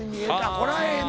これはええな。